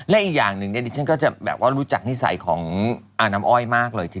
และอีกอย่างหนึ่งดิฉันก็จะแบบว่ารู้จักนิสัยของอาน้ำอ้อยมากเลยทีเดียว